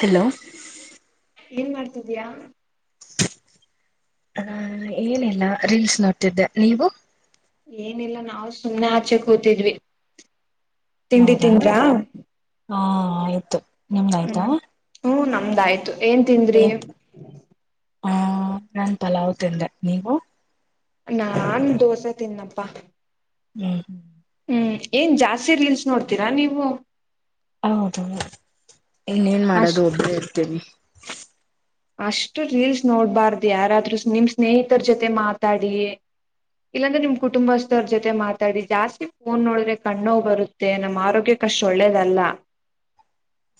Hello ಏನ್ ಮಾಡ್ತಿದ್ಯಾ ಹ ಏನಿಲ್ಲ ರೀಲ್ಸ್ ನೋಡ್ತಿದ್ದೆ ನೀವು ಏನಿಲ್ಲ ನಾವು ಸುಮ್ನೆ ಆಚೆ ಕೂತಿದ್ವಿ ತಿಂಡಿ ಹೌದಾ ತಿಂದ್ರಾ ಹಾ ಆಯ್ತು ನಿಮ್್ದ ಆಯ್ತಾ ಹಂದಾಯ್ತು ಏನ್ ತಿಂದ್ರಿ ಹ ನನ್ ಪಲಾವ್ ತಿಂದೆ ನೀವು ನಾನ್ ದೋಸೆ ತಿನ್ನಪ್ಪಾ ಹು ಹ್ಮ್ ಏನ್ ಜಾಸ್ತಿ ರೀಲ್ಸ್ ನೋಡ್ತೀರಾ ನೀವು ಹೌದು ಇನ್ನೇನ್ ಮಾಡೋದು ಅಷ್ಟ ಒಬ್ಬ್ದೇ ಇರ್ತೇನಿ ಅಷ್ಟು ರೀಲ್ಸ್ ನೋಡ್ಬಾರ್ದು ಯಾರಾದ್ರರು ನಿಮ್ ಸ್ನೇಹಿತರ ಜೊತೆ ಮಾತಾಡಿ ಇಲ್ಲಾಂದ್ರೆ ನಿಮ್ ಕುಟುಂಬಸ್ಥರ ಜೊತೆ ಮಾತಾಡಿ ಜಾಸ್ತಿ ಫೋನ್ ನೋಡ್ರೆ ಕಣ್ಣೋಗ್ ಬರುತ್ತೆ ನಮ್ಮ ಆರೋಗ್ಯ ಕಷ್ಟ ಒಳ್ಳೇದಲ್ಲ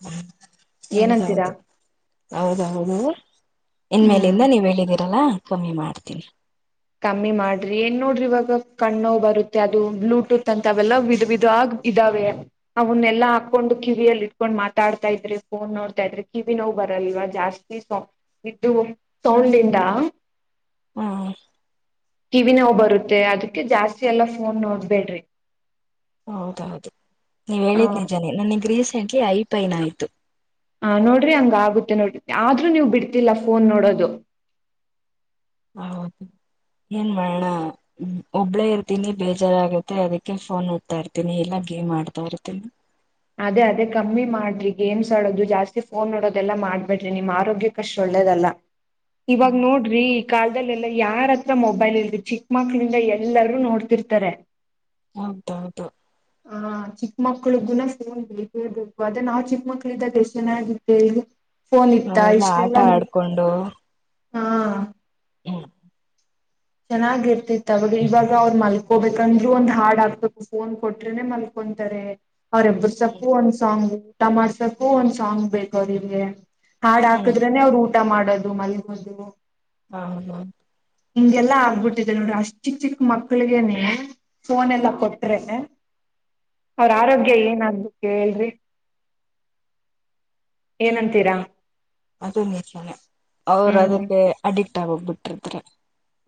ಹ ಏನಂತೀರಾ ಹೌದೌದು ಹೌದೌ ಹೌದು ಇನ್ ಹ್ಮ್ ಮೇಲಿಂದ ನೀವ್ ಹೇಳಿದ್ದೀರಿ ಲ್ಲ ಕಮ್ಮಿ ಮಾಡ್ತೀವಿ ಕಮ್ಮಿ ಮಾಡ್ರಿ ಏನ್ ನೋಡ್ರಿ ಇವಾಗ ಕಣ್ ನೋವು್ ಬರುತ್ತೆ ಅದು ಬ್ಲೂಟೂತ್ ಅಂತ ಅವೆಲ್ಲಾ ವಿಧ ವಿಿದ ಆಗ ಇದಾವೆ ಅವನ್ನೆಲ್ಲಾ ಹಾಕೊಂಡು ಕಿವಿಯಲ್ಲಿ ಇಟ್ಕೊಂಡ್ ಮಾತಾಡ್ತಾ ಇದ್ರಿ ಫೋನ್ ನೋಡ್ತಾ ಇದ್ರಿ ಕಿವಿ ನೋವು ಬರಲ್ವ ಜಾಸ್ತಿ ಸ್ ಇದು ಸೌಂಡ್ಿಂದ ಹ್ಮ್ ಟಿವ ನೋವು ಬರುತ್ತೆ ಅದಕ್ಕೆ ಜಾಸ್ತಿ ಎಲ್ಲ ಫೋನ್ ನೋಡ್ಬೇಡ್ರಿ ಹೌದೌದು ನೀವ ಹ ಹೇಳಿದ್ ನಿಜಾನನೆ ನನಗ್ ರೀಸೆಂಟ್ ಐ ಪೈನ ಆಯ್ತು ಹ ನೋಡ್ರಿ ಹಂಗ ಆಗುತ್ತೆ ನೋಡ ಆದ್ರೂ ನೀವು್ ಬಿಡ್ತಿಲ್ಲ ಫೋನ್ ನೋಡೋದು ಹೌದು ಏನ್ ಮಾಡಣ ಒಬ್ಳೇ ಇರ್ತೀನಿ ಬೇಜಾರಾಗುತ್ತೆ ಅದಕ್ಕೆ ಫೋನ್ ನಡ್ತಾ ಇರ್ತೀನಿ ಎಲ್ಲ ಗೇಮ್ ಆಡ್ತಾ ಇರ್ತೀನಿ ಅದೇ ಅದೇ ಕಮ್ಮಿ ಮಾಡ್ರಿ ಗೇಮ್ಸ್ ಆಡೋದು ಜಾಸ್ತಿ ಫೋನ್ ನೋಡೋದೆಲ್ಲಾ ಮಾಡ್ಬೇಡ್ರಿ ನಿಮ್ಮ್ ಆರೋಗ್ಯಕ್ಕಷ್ಟ್ ಒಳ್ಳೇದಲ್ಲ ಇವಾಗ ಹ್ಮ್ ನೋಡ್ರಿ ಈ ಕಾ ಮ ಎಲ್ಲ ಯಾರತ್ರ ಮೊಬೈಲ್ ಇಲ್ ಚಿಕ್ ಮಕ್ಳಿಂದ ಎಲ್ಲರೂ ನೋಡ್ತಿರ್ತಾರೆ ಅೌದೌದು ಮಕ್ಕಳು ಗುಣ ನ್ ಬೇಕೇ ಬೇಕು ಅದೇ ನಾವು ಚಿಕ್ಕ ಮಕ್ಕಳ್ದ ದಷ್ಟ ಚೆಾಗಿದ್ದೆ ಈಗ ನ ಎಲ್ಲ ಆಟ ಆಡ್ಕೊಂಡು ಹಾ ಹ್ಮ ಚೆನ್ನಾಗಿ ಇರ್ತಿತ್ತು ಅವಾಗ ಇವಾಗ ಅವ್ರರು ಮಲ್ಕೋಬೇಕಂದ್ರು ಒಂದ್ ಹಾಡ್ ಆಕ್ಬೇಕು ಫೋನ್ ಕೊಟ್ರನೆ ಮಲ್ಕೊಂತಾರೆ ಅವ್ರ ಎಬ್ಬುರಸಕ್ಕೂ ಒಂದು ಸಾಂಗ್ ತಮಸಕೂ ಒಂದ್ ಸಾಂಗ್ ಬೇಕ ಅವ್ರವ್ಗೆ ಹಾಡ್ ಹ್ಮ್ ಹಾಕಿದ್ರನೆೇ ಅವ್ರು ಊ ಊಟ ಮಾಡೋದು ಮಲ್ಗೊ ಹೋದು ಹಾ ಹಾ ಹಿಂಗೆಲ್ಲಾ ಆಗ್ಬಿಟ್ಟಿದೆ ನೋಡ್ರಿ ಅಷ್ಟಿ ಚಿಕ್ಕ ಮಕ್ಳಿಗೆ ನೀ ಫೋನ್ ಎಲ್ಲಾ ಕೊಟ್ರೆ ಅವ್ರ ಆರೋಗ್ಯ ಏನು ಹೇಳ್ರಿ ಏನಂತೀರಾ ಅದ ನಿಜನೆ ಅವ್ರ ಹ್ಮ್ ಅದಕ್ಕೆ ಅಡಿಕ್ಟ್ ಟ್ಟ ಹೋಗ್ಬಿಟ್ಟಿದ್ರ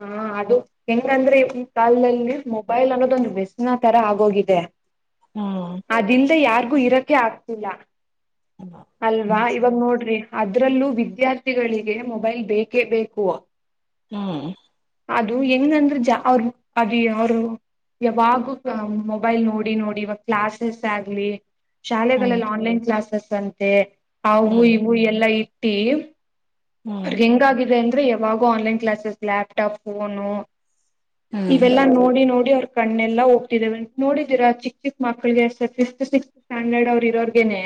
ಹಾ ಅದು ಹೆಂಗಂದ್ರೆ ಇವನ್ ಕಲ್ದಲ್ಲಿ ಮೊಬೈಲ್ ಅನ್ನೋದೊಂದ್ ವ್ಯಸಿನ ತರ ಆಗೋಗಿದೆ ಹ್ಮ್ ಅದಿಂದ ಯಾರದು ಇರಕೆ ಆಗ್ತಿಲ್ಲ ಅಲ್ವಾ ಹ್ಮ್ ಇವಾಗ ಸರಿ ನೋಡ್ರಿ ಅ ಅದ್ರಲ್ಲೂ ವಿದ್ಯಾರ್ಥಿಗಳಿಗೆ ಮೊಬೈಲ್ ಬೇಕೇ ಬೇಕು ಹ್ಮ್ ಅದು ಹೆಂಗಂದ್ರೆ ಜ ಅವರು ಅದು ಅವರು ಯಾವಾಗೂ ಮೊಬೈಲ್ ನೋಡಿ ನೋಡಿ ಇವಾಗ ಕ್ಲಾಸಸ್ ಆಗ್ಲಿ ಹ್ಮ್ ಶಾಲೆಗಳೆಲ್ಲ ಆನ್ಲೈನ್ ಕ್ಲಾಸಸ್ ಸಂತೆ ಹವು ಹ್ಮ್ ಇವು ಎಲ್ಲ ಇ [inaudible] ಹ್ಮ್ ಅವರ್ಗ್ ಹೆಂಗಾಗಿದೆ ಯಾವಾಗೋ ಆನ್ಲೈನ್ ಕ್ಲಾಸಸ್ ಲ್ಯ್ಪ್ಟಾಪ್ ಫೋನು ಹ್ಮ್ ಇವೆಲ್ಲಾ ನೋಡಿ ನೋಡಿ ಅವ್ರ ಕಣ್ಣೆಲ್ಲ ಹೋಗ್ತಿದ್ದೇವೆ ನೋಡಿದೀರಾ ಚಿಕ್ ಚಿಕ್ ಮಕ್ಳಿಗೆ ಫಿಫ್ತ್ ಸಿಕ್ಸ್ತ್ ಸ್ಟ್ಯಾಂಡರ್ಡ್ ಅವ್ರರು ಇರೋರ್ಗೇನೆ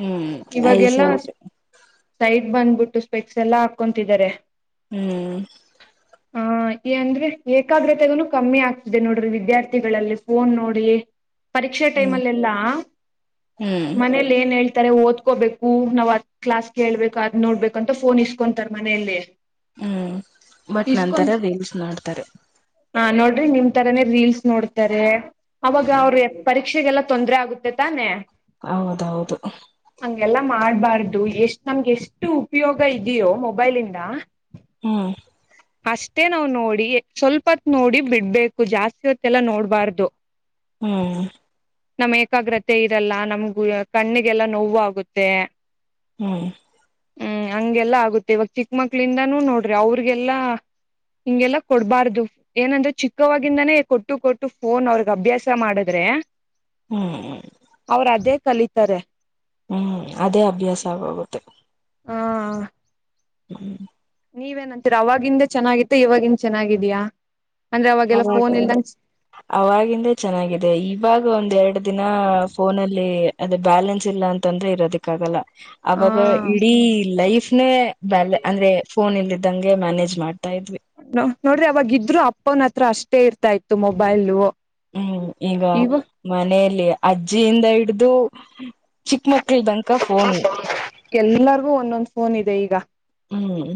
ಹ್ಮ್ ಐ ಸಟ್ಟು ಬಂದ್ಬಿಟ್ಟುಷ್ಟ ಪೆಕ್ಸ್ ಎಲ್ಲಾ ಹಾಕೊತಿದ್ದಾರೆ ಹ್ಮ್ ಹ ಅಂದ್ರೆ ಏಕಾಗ್ರತೆಗ ಕಮ್ಮಿ ಆಗ್ತಿದೆ ನೋಡ್ರಿ ವಿದ್ಯಾರ್ಥಿಗಳಲ್ಲಿ ಫೋನ್ ನೋಡಿ ಪರೀಕ್ಷೆ ಟೈಮ್ ಹ್ಮ್ ಅಲ್ಲ ಎಲ್ಲಾ ಹ್ಮ್ ಮನೇಲಿ ಏನ್ ಹೇಳ್ತ ತರ ಓದ್ಕೋಬೇಕು ನಾವ್ ಅದ್ ಕ್ಲಾಸ್ ಕೇಳ್ಬೇಕು ಅದ್ ನೋಡ್ಬೇಕು ಕಂತ ಫೋನ್ ಇಸ್ಕೊಂತರ್ ಮನೆಯಲ್ಲಿ ಹ್ಮ್ ಬಟ್ ನಂತರ ರೀಲ್ಸ್ ನೋಡ್ತಾರೆ ಹಾ ನೋಡ್ರಿ ನಿಮ್ ತರಾನೇ ರಿಲ್ಸ್ ನೋಡ್ತಾರೆ ಅವಾಗ ಅವ್ರ ಪರೀಕ್ಷೆಗೆಲ್ಲ ತೊಂದರೆ ಆಗುತ್ತೆ ತಾನೆ ಹೌದೌದು ಎಲ್ಲಾ ಮಾಡಬಾರದು ಎಷ್ಟು ನಮಗೆ ಎಷ್ಟು ಉಪಯೋಗ ಇದಿಯೋ ಮೊಬೈಲ್ ಇಂದ ಹ್ಮ್ ಅಷ್ಟೇ ನಾವ್ ನೋಡಿ ಸ್ವಲ್ಪ ಹೊತ್ತು ನೋಡಿ ಬಿಡಬೇಕು ಜಾಸ್ತಿ ಹೊತ್ತಲ್ಲ ನೋಡಬಾರದು ಹ್ಮ್ ನಮ್ ಏಕಾಗ್ಇರಲ್ಲ ನಮಗೂ ಕಣ್ಣಿಗೆಲ್ಲ ನೋವು ಆಗುತ್ತೆ ಹ್ಮ್ ಹ್ಮ್ ಹಂಗೆಲ್ಲಾ ಆಗುತ್ತೆ ಇವಾಗ ಚಿಕ್ಕ ಚಿಕ್ಕ ಮಕ್ಕಳಿಂದಾನು ನೋಡ್ರಿ ಅವರಿಗೆಲ್ಲ ಹಿಂಗೆಲ್ಲಾ ಕೊಡಬಾರದು ಏನಂದ್ರೆ ಚಿಕ್ಕವಾಗಿಂದಾನೇ ಕೊಟ್ಟು ಕೊಟ್ಟು ಫೋನ್ ಅವರಿಗೆ ಅಭ್ಯಾಸ ಮಾಡಿದ್ರೆ ಹೂ ಕಲಿತರೆ ಹೂಅದೇ ಅಭ್ಯಾಸ ಆಗೋಗುತ್ತೆ ಹಾ ಹ್ಮ್ ನೀವೇನಂತೀರಾ ಅವವಾಗಿಂದ ಚೆನ್ನಾಗಿತ್ತ ಇವಾಗಿಂದ ಚೆನ್ನಾಗಿದ್ಯಾ ಅಂದ್ರೆ ಅವಾಗೆಲ್ಲ ಅವ ಫೋನ್ ಇಲ್ದಂಗ ಅವಾಗಿಂದೆ ಚೆನ್ನಾಗಿದೆ ಇವಾಗ ಒಂದ್ ಎರಡು ದಿನ ಫೋನಲ್ಲಿ ಅದುಬ್ಯಾಲೆನ್ಸ್ ಇಲ್ಲ ಅಂತಂದ್ರೆ ಇರೋದಕ್ಕೆ ಆಗಲ್ಲ ಅವಾಗ ಹ ಇಡೀ ಲೈಫ್ ನೇ ಬ ಅಂದ್ರೆ ಫೋನ್ ಇಲ್ಲ [unintelligible] ಇದ್ದಂಗೆ ಮ್ಯಾನೇಜ್ ಮಾಡ್ತಾ ಇದ್ವಿ ನೋಡ್ರಿ ಅವಾಗ ಇದ್ರು ಅಪ್ಪನ ಹತ್ರ ಅಷ್ಟೇ ಇರ್ತಾ ಇತ್ತು ಮೊಬೈಲ್ ಹ್ಮ್ ಈಗ ಮನೆಯಲ್ಲಿ ಅಜ್ಜಿಯಿಂದ ಹಿಡ್ದು ಚಿಕ್ಕ ಮಕ್ಕಳ ದಂಕ ಫೋನ್ ಎಲ್ಲರಿಗೂಒಂದೊಂದ್ ಫೋನ್ ಇದೆ ಈಗ ಹ್ಮ್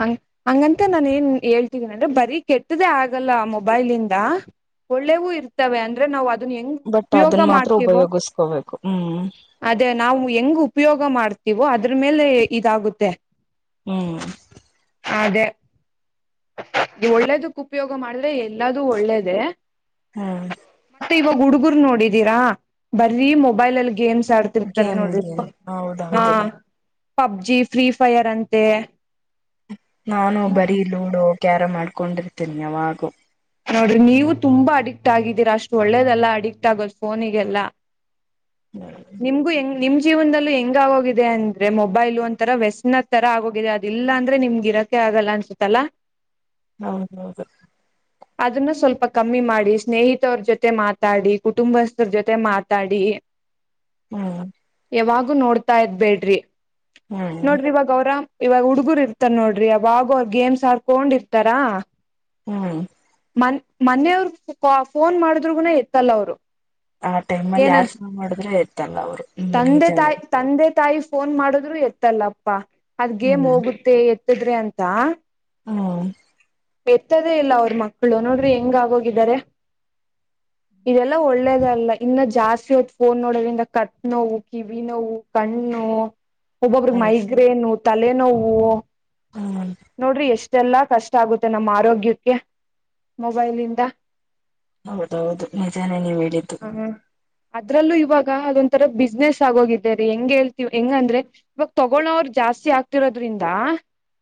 ಹಂಗ ಹಂಗಂತ ನಾನ ಏನ್ ಹೇಳ್ತಿದೀನಿ ಅಂದ್ರೆ ಬರಿ ಕೆಟ್ಟದ್ದೆಆಗಲ್ಲ ಆ ಮೊಬೈಲ್ ಇಂದ ಒಳ್ಳೆವೂ ಇರ್ತವೆ ಅಂದ್ರೆ ನಾವು ಬಟ್ ಅದನ್ನ ಮಾತ್ರ ಉಪಯೋಗಿಸಕೋಬೇಕು ಹೂ ಅದೇನ್ ನಾವು ಹೆಂಗ್ಉಪಯೋಗ ಮಾಡ್ತೀವೋ ಅದ್ರ ಮೇಲೆ ಇದಾಗುತ್ತೆ ಹ್ಮ್ ಅದೇ ಒಳ್ಳೇದಕ್ ಉಪಯೋಗ ಮಾಡಿದ್ರೆ ಎಲ್ಲಾ ದು ಒಳ್ಳೇದ ಹ್ಮ್ ಇವಾಗ ಹುಡುಗರು ನೋಡಿದ್ದೀರಾ ಬರೀ ಮೊಬೈಲ್ ಅಲ್ಲಿ ಗೇಮ್ಸ್ ಆಡ್ತಿರ್ತಾರೆ ಗೇಮ್ ನೋಡ್ರಿಪ್ಪ ಗೇಮ್ ಹಾ ಹೌದೌದು ಪಬ್ಜಿ ಫ್ರೀಫೈರ್ ಅಂತೆ ನಾನು ಬರೀ ಲೂಡೋ ಕ್ಯಾರಮ್ ಮಾಡ್ಕೊಂಡಿರ್ತೀನಿ ಯಾವಾಗು ನೋಡ್ರಿ ನೀವು ತುಂಬಾ ಅಡಿಕ್ಟ್ ಆಗಿದ್ದೀರಾ ಅಷ್ಟು ಒಳ್ಳೇದಲ್ಲಾ ಅಡಿಕ್ಟ್ ಆಗೋದು ಫೋನಿಗೆಲ್ಲ ಹ್ಮ್ ನಿಮ್ಗೂ ಹೆಂಗ ನಿಮ ಜೀವನದಲ್ಲಿ ಹೆಂಗ ಆಗೋಗಿದೆ ಅಂದ್ರೆ ಮೊಬೈಲ್ ಒಂತರ ವ್ಯಸ್ನ ತರ ಆಗೋಗಿದೆ ಅದಲ್ಲಾಂದ್ರೆ ನಿಮ್ಗೆ ಇರಕೆ ಆಗಲ್ಲ ಅನ್ಸುತ್ತಲ್ಲ ಹೌ ಹೌದು ಅದನ್ನು ಸ್ವಲ್ಪ ಕಮ್ಮಿ ಮಾಡಿ ಸ್ನೇಹಿತವರ ಜೊತೆ ಮಾತಾಡಿ ಕುಟುಂಬಸ್ಥರ ಜೊತೆ ಮಾತಾಡಿ ಹ್ಮ್ ಯಾವಾಗು ನೋಡ್ತಾ ಇದ್ ಬೇಡ್ರಿ ಹ್ಮ್ ನೋಡ್ರಿ ಇವಾಗೌರಾ ಇವಾಗ ಹುಡ್ಗುರು ಇರ್ತಾರ ನೋಡ್ರಿ ಅವಾಗೋ ಅವರು ಗೇಮ್ಸ್ ಆರ್ಕೊಂಡಿರ್ತಾರ ಹ್ಮ ಮ ಮನೆಯವ್ರು ಫೋನ್ ಮಾಡಿದ್ರುಗೂನ ಎತ್ತಲ್ಲ ಅವ್ರು ಆ ಟೈಮ್ಲ್ಲಿ ಯಾರ ಏನಂತ ಫೋನ್ ಮಾಡಿದ್ರೆ ಎತ್ತಲ್ಲ ಅವ್ರು ಹ್ಮ್ ತಂದೆ ನಿಜಾನೇ ತಾಯಿ ತಂದೆ ತಾಯಿ ಫೋನ್ ಮಾಡುದ್ರು ಎತ್ತಲ್ಲಪ್ಪಾ ಅದ್ಗೇಮ್ ಹೋಗುತ್ತೆ ಎ ಹತಿದ್ರೆ ಅಂತ ಹಾ ಎತ್ತದೇ ಇಲ್ಲ ಅವ್ರ ಮಕ್ಕ ಮಕ್ಕಳು ನೋಡ್ರಿ ಹೆಂಗ ಆಗೋಗಿದ್ದಾರೆ ಇದೆಲ್ಲ ಒಳ್ಳೇದಲ್ಲ ಇನ್ನ ಜಾಸ್ತಿ ಹೋದ ಫೋನ್ ನೋಡೋದ್ರಿಂದ ಕತ್ ನೋವು ಕಿವಿ ನೋವು ಕಣ್ಣು ಒಬ್ಬೊಬ್ರಿಗೆ ಹ್ಮ್ ಮೈಗ್ರೇನ್ ತಲೆನೋವು ಹ್ಮ್ ನೋಡ್ರಿ ಎಷ್ಟು. ಎಲ್ಲಾ ಕಷ್ಟ ಆಗುತ್ತೆ ನಮ್ಮ ಆರೋಗ್ಯಕ್ಕೆ ಮೊಬೈಲ್ಲಿಂದ. ಹೌದ. ಹೌದು ನಿಜಾನೇ ನೀವು ಹೇಳಿದ್ದು. ಅದ್ರಲ್ಲೂ ಇವಾಗ ಅದೊಂಥರ ಬಿಸ್ನೆಸ್ ಆಗೋಗಿದೇ ರೀ ಹೆಂಗ್ ಹೇಳ್ತಿೀವಿ ಹೆಂಗ ಅಂದ್ರೆ ಇವಾಗ ತಗೋಳವ್ರ ಜಾಸ್ತಿ ಆಗ್ತಿರೋದ್ರಿಂದ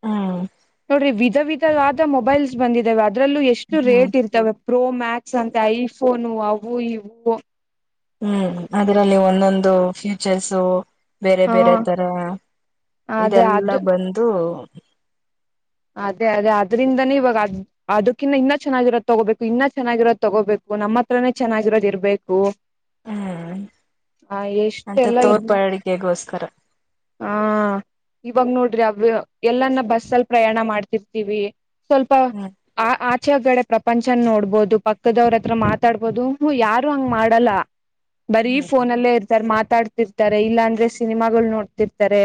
ಹ್ಮ್ ನೋಡ್ರಿ ವಿ ವಿಧ ವಿಧವಾದ ಮೊಬೈಲ್ಸ್ ಬಂದಿದ್ದಾವ ಅದರಲ್ಲೂ ಎಷ್ಟು ಹ್ಮ್ ರೇಟ್ ಇರ್ತವೆ ಪ್ರೋ ಮ್ಯಾಕ್ಸ್ ಅಂತ ಐ ಉನೊ ಅವು ಇವು ಹ್ಮ್ ಅದರಲ್ಲಿ ಒಂದೊಂದು ಫ್ಯೂಚರ್ಸು ಬೇರೆ ಬೇರೆ ಹ ತರ ಅದೇ ಇದೆಲ್ಲ ಅದು ಬಂದು ಅದೇ ಅದೇ ಅದ್ರಿಂದನೇ ಇವಾಗ ಅದ್ ಅದಕಿಂತ ಇನ್ನ ಚೆನ್ನಾಗಿರೋದ ತಗೋಬೇಕು ಇನ್ನ ಚೆನ್ನಾಗಿರೋದ ತಗೋಬೇಕು ನಮ್ಮ ಹತ್ರನೇ ಚೆನ್ನಾಗಿರೋದ ಇರ್ಬೇಕು. ಹ್ಮ್ ಆ ಅಂತ ಎಷ್ಟೆಲ್ಲ ಇದ್ಮ ತೋರ್ಪಡಿಕೆಗೋಸ್ಕರ ಆ ಇವಾಗ ನೋಡ್ರಿ. ಎಲ್ಲನ್ನ ಬಸ್ಲ್. ಪ್ರಯಾಣ ಮಾಡ್ತಿರ್ತಿವಿ. ಸ್ವಲ್ಪ ಹ್ಮ್ ಆ ಆಚೆ ಗಡೆ. ಪ್ರಪಂಚನ ನೋಡ್ಬೋದು ಪಕ್ಕದವ್ರ ಹತ್ರ ಮಾತಾಡ್ಬೋದು ಹ ಯಾರು ಹಂಗ್ ಮಾಡಲ್ಲ ಬರೀ ಹ್ಮ್ ಫೋನಲ್ಲೇ ಇರ್ತಾರೆ ಮಾತ್ ಮಾತಾಡ್ತಿರ್ತಾರೆ ಇಲ್ಲಾಂದ್ರೆ ಸಿನಿಮಾಗಳ ನೋಡ್ತಿರ್ತಾರೆ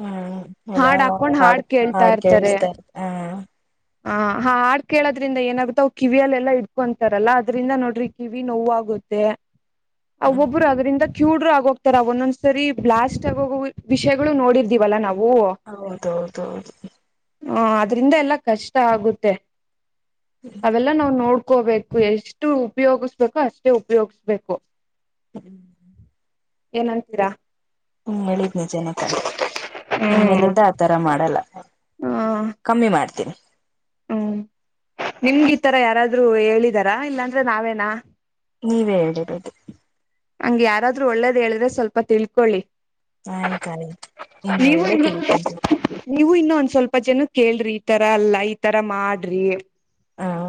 ಹ್ಮ್ ಹಾಡ್ ಹಾಕೊಂಡ್ ಹಾಡ್ ಕೇಳ್ತಾ ಕೇಳ್ಸ್ತಾ ಇ ಹ ಹ ಹಾ ಹಾಡ್ ಕೇಳೋದ್ರಿಂದ ಏನಾಗುತ್ತೆ ಅವ ಕಿವಿಯಲ್ಲೆಲ್ಲಾ ಇಡ್ಕೊಂತಾರಲ್ಲ ಅದ್ರಿಂದ ನೋಡ್ರಿ ಕಿವಿ ನೋ್ಾಗುತ್ತೆ ಹ್ಮ್ ಅವೊಬ್ಬರು ಅದ್ರಿಂದ ಕ್ಯೂಡ್್ರ ಆಗೋಗ್ತಾರ ಒಂದೊಂದ್ಸರಿ ಬ್ಲಾಸ್ಟ್ ಆಗೋಗ ವಿಷಯಗಳು ನೋಡಿರ್ಿದಿವವಲ್ಲಾ ನಾವು ಹೌದೌದ ಹೌದು ಹಾ ಅದ್ರಿಂದ ಎಲ್ಲಾ ಕಷ್ಟ ಆಗುತ್ತೆ ಅವೆಲ್ಲಾ ನಾವವು ನೋಡ್ ಕುಕೋಬೇಕು ಎಷ್ಟು ಉಪಯೋಗಸ್್ಬೇಕು ಅಷ್ಟೇ ಉಪಯೋಗಿಸ್ಬೇಕು ಹ್ಮ್ ಏನಂತೀರಾ ಹ್ಮ್ ಹೇಳಿದ್ ನಿಜನೇ ಕಂಡ್ರೆ ನಿನ್ ಹ್ಮ್ ಮೇಲಿಂದ ಆತರ ಮಾಡಲ್ಲ ಹಾ ಕಮ್ಮಿ ಮಾಡ್ತೀನಿ ಹ್ಮ್ ನಿಮ್ ಈ ತರ ಯಾರಾದ್ರರು ಹೇಳಿದಾರಾ ಇಲ್ಲಾಂದ್ರೆ ನಾವೇನಾ ನೀವೇ ಹೇಳಿಬೋದು ಹಂಗ ಯಾರಾದ್ರರು ಒಳ್ಳೇದ ಹೇಳಿದ್ರೆ ಸ್ವಲ್ಪ ತಿಳ್ಕೊಳ್ಳಿ ಹಯ್ ಕಾಯ ನೀವು ಇನ್ವೇರೆಲ್ಲ ಇನ್ನು ತಿಳ್ಕೊಂತೀನಿ ನೀವು ಇನ್ನೊ ಒಂದ್ ಸ್ವಲ್ಪ ಜನ ಕೇೇಳ್ರಿ ಈ ತರ ಅಲ್ಲ ಈ ತರ ಮಾಡ್ರಿ ಹಾ [unintelligible]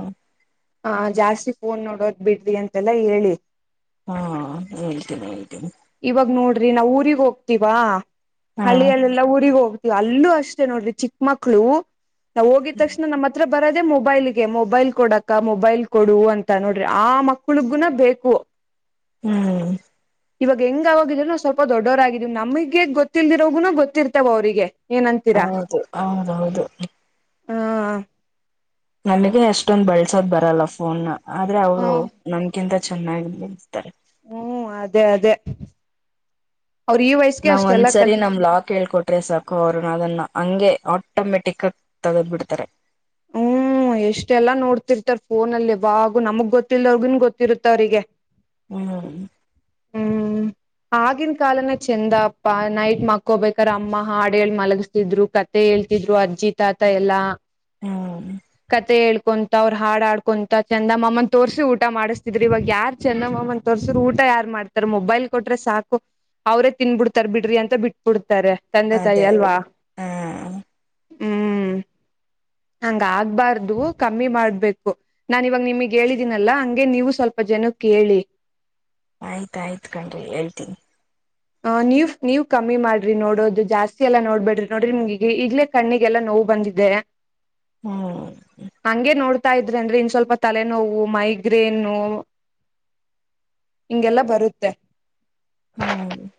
[unintelligible] ಹ ಜಾಸ್ತಿ ಫೋನ್ ನೋಡೋದ್ ಬಿಡ್ರಿ ಅಂತೆಲ್ಲ ಹೇಳಿ ಹಾ ಹೇಳ್ತೀನಿ ಹೇಳ್ತೀನಿ [unintelligible] ರಿ ನಾವ್ ಊರಿಗೆ ಹೋಗ್ತವಾ ಹಾ ಹಳ್ಳಿಯಲ್ಲೆಲ್ಲಾ ಊರಿಗೆಗ ಹೋಗ ಅಲ್ಲೂ ಅಷ್ಟೇ ನೋಡ್ರಿ ಚಿಕ್ಕ ಮಕ್ಳು [unintelligible] ನಾವು ಹೋಗಿದ ತಕ್ಷಣ ನಮ್ಮ ಹತ್ರ ಬರದದೆ ಮೊಬೈಲ್ ಗೆ ಮೊಬೈಲ್ ಕೊಡಕ್ ಕ್ಕ ಮೊಬೈಲ್ ಕೊಡುುವ ಅಂತ ನೋಡ್ರಿ ಆ ಮಕ್ಳಗುನ ಬೇಕು ಹ್ಮ್ ಇವಾಗ ಹೆಂಗ ಆಗಿದ್ರು ನ ಸ್ವಲ್ಪ ದೊಡ್ಡವರಾಗಿದೀ ನಮಗಗೆ ಗೊಲ್ದಿರೋಗುನ ಗೊತ್ತಿರ್ತಾವ ಅವ್ರರಿಗೆ ಹೌದು ಹೌದೌದು [unintelligible] ಹಾ [unintelligible] ನನಗೆ ಎಷ್ಟೊಂದ್ ಬಳ್ಸೋದ್ ಬರಲ್ಲ ಫೋನ್ [unintelligible] ಆದ್ರೆ ಅವರು ನನ್ಕಿಂತ [unintelligible] ಚೆನ್ನಾಗಿ ನಿಸ್ತಾರೆ [unintelligible] ಹ್ಮ್ ಅದೇ ಅದೇ [unintelligible] ವಯಸ್ಗೆ ನಾವ್ ಅಷ್ಟೆಲ್ಲಾ ಒಂದ್ಸರಿ ಕಲ್ತ್ ನಮ್ ಲಾಕ್ ಹೇಳ್ಕೊಟ್ಟವಿ [unintelligible] ಸಾಕು ಅವ್ರನ್ನ ಅದನ್ನ ಹಂಗೆ ಆಟೋಮೆಟಿಕ್ ಆಗ ತದದಬಿಡ್ತಾರೆ [unintelligible] ಹ್ಮ್ ಎಷ್ಟೆಲ್ಲಾ ನೋಡ್ತಿರ್ತಾರ್ ಫೋನಲ್ಲಿ ಅವಾಗು ನಮಗ್ ಗೊತ್ತಲ್ದವಗನ್ ಗೊತ್ತಿರುತ್ತ ಅವಿಗೆ [unintelligible] ಹ್ಮ್ [unintelligible] ಹ್ಮ್ ಆಗಿನ ಕಾಲನ ಚಂದ ಅಪ್ಪ ನೈಟ್ ಮಕ್ಕೋಬೇಕಾರ ಅಮ್ಮ ಹಾಡು ಮಲಗಸ್ತಿದ್ರು ಕತೆ ಹೇಳ್ತಿದ್ರು ಅರ್ಜಿ ತಾತ ಎಲ್ಲಾ ಹ್ಮ್ [unintelligible] ಕತೆ ಹೇಳ್ [unintelligible] ಕೊಂತ ಅವರು ಹಾಡಾಡ್ಕೊಂತಾ ಚಂದ ಮಾಮ್ಮನ್ ತೋರ್ಸಿ ಊಟ ಮಾಡ್ತಿದ್ರಿ ಇವಾಗ ಯಾರ್ ಚಂದ ಮಾಮ್ಮನ್ ತೋರ್ಸ್ರ ಊಟ ಯಾರ್ ಮಾಡ್ತಾರ ಮೊಬೈಲ್ ಕೊಟ್ರೆ ಸಾಕು ಅವ್ರೇ ತಿನ್ಬಿಡ್ತಾರ ಬಿಡ್ರಿ ಅಂತ ಬಿಟ್ಬಿಡ್ತಾರೆ [unintelligible] ತಾಯಿ ಅದೇ ಅಲ್ವಾ ಹಾ [unintelligible] ಹ್ಮ್ [unintelligible] ಹಂಗ ಆಗ್ಬಾರ್ದು ಕಮ್ಮಿ ಮಾಡ್ಬೇಕು ನಾನ ಇವಾಗ ನಿಮಗ್ ಹೇಳಿದೀನಲ್ಲ ಹಂಗೆ ನೀವು ಸ್ವಲ್ಪ ಜನ ಕೇಳಿ [unintelligible] ಆಯ್ತಾಯ್ತ ಕಣ್ರಿ ಹೇಳ್ತೀನಿ [unintelligible] ಹ ನೀವ್ ನೀವ್ ಕಮ್ಮಿ ಮಾಡ್ರಿ ನೋಡೋದು ಜಾಸ್ತಿ ಎಲ್ಲಾ ನೋಡ್ಬೇಡ್ರಿ ನೋಡ್ರಿ ನಿಮ್ಗೆಗ ಈಗ್ಲೇ ಕಣ್ಣಿಗೆಲ್ಲಾ ನೋವು ಬಂದಿದೇ [unintelligible] ಹ್ಮ್ [unintelligible] ಹತಾ ಇದ್ರೆ ಅಂದ್ರೆ ಇನ್ ಸ್ವಲ್ಪ ತಲೆನೋವು ಮೈಗ್ರೇನು ಹಿಗೆಲ್ಲಾ ಬರುತ್ತೆ [unintelligible] ಹ್ಮ್ [unintelligible]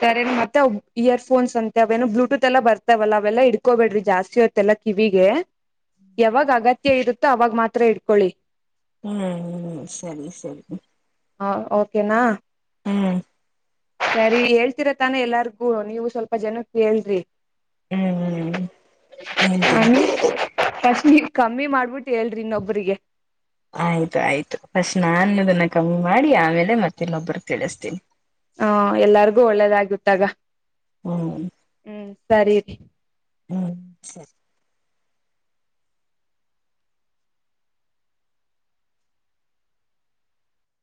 ಸರೆ ಮತ್ತೆ ಇಯರ್ಫೋನ್ಸ್ ಅಂತೆ ಅವೇನು ಬ್ಲೂಟೂತ್ ಎಲ್ಲ ಬರ್ತಾವವಲ್ಲ ಅವೆಲ್ಲ ಇಡ್ಕೋಬೇಡ್ರಿ ಜಾಸ್ತಿ ಆತ್ತ ಎಲ್ಲ ಕಿವಿಗೆ [unintelligible] ಯಾವಾಗ ಆಗತ್ತ [unintelligible] ಇರುತ್ತೋ ಅವಾಗ ಮಾತ್ರ ಇಡ್ಕೊಳ್ಳಿ [unintelligible] ಹ್ಮ್ ಹ್ಮ್ ಸರಿ ಸರಿ [unintelligible] ಹ ಓಕೆನಾ [unintelligible] ಹ್ಮ್ [unintelligible] ಸರಿ ಹೇಳ್ತಿರ ತಾನ ಎಲ್ಲಾರ್ಗೂ ನೀವು ಸ್ವಲ್ಪ ಜನಕ್ಕೆ ಹೇಳ್ರಿ [unintelligible] ಹ್ಮ್ ಹ್ಮ್ ನನ್ಕರಿ [unintelligible] ಕಷ್ಟ ಕಮ್ಮಿ ಮಾಡ್ಬಿಟ್ಟು ಹೇಳ್ರಿ ಇನ್ನೊಬ್ರಿಗೆ [unintelligible] ಆಯ್ತು ಆಯ್ತು ಫಸ್ಟ್ ನಾನು ಅದನ್ನ ಕಮ್ಮಿ ಮಾಡಿ ಆಮೇಲೆ ಮತ್ತ ಇನ್ನೊಬ್ರ ತಿಳಿಸ್ತೀನಿ [unintelligible] ಹಾ ಎಲ್ಲರಿಗೂ ಒಳ್ಳೆದಾಗಿತ್ತಾಗ [unintelligible] ಹ್ಮ [unintelligible] ಸರಿ [unintelligible] ಹ್ಮ್ [unintelligible]